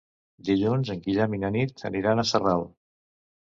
Dilluns en Guillem i na Nit aniran a Sarral.